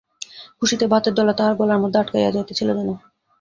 খুশিতে ভাতের দলা তাহার গলার মধ্যে আটকাইয়া যাইতেছিল যেন।